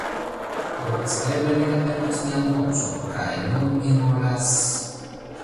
Do espereble mi ne perdos mian voĉon kaj nun mi volas...